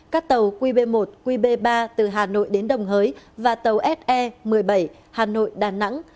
các tàu qb một qb ba từ hà nội đến đồng hới và tàu se một mươi bảy hà nội đà nẵng